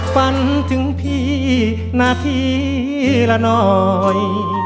ฝันถึงพี่นาทีละหน่อย